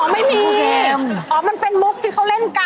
ไม่มีอ๋อมันเป็นมุกที่เขาเล่นกัน